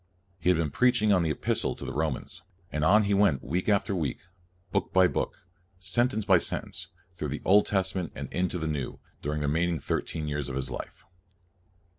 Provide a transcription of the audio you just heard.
He had been preaching on the Epistle to the Romans, and on he went week after week, book by book, and sen tence by sentence, through the New Testa ment and into the Old, during the remain ing thirteen years of his life.